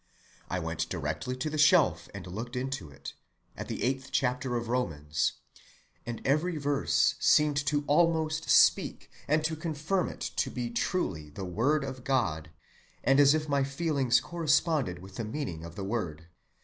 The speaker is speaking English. I went directly to the shelf and looked into it, at the eighth chapter of Romans, and every verse seemed to almost speak and to confirm it to be truly the Word of God, and as if my feelings corresponded with the meaning of the word.